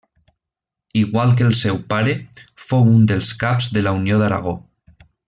Igual que el seu pare, fou un dels caps de la Unió d'Aragó.